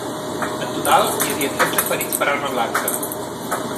En total, hi havia tretze ferits per arma blanca.